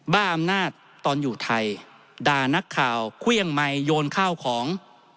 บ้าอำนาจตอนอยู่ไทยด่านักข่าวเครื่องไมค์โยนข้าวของ